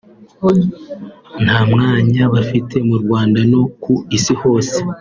nta mwanya bafite mu Rwanda no ku isi hose